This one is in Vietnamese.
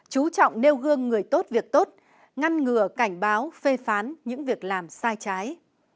chú trọng nêu gương người tốt việc tốt ngăn ngừa cảnh báo phê phán những việc làm sai trái